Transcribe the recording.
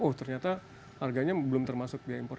oh ternyata harganya belum termasuk biaya impor